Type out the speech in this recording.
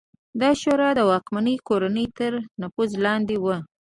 دا شورا د واکمنې کورنۍ تر نفوذ لاندې وه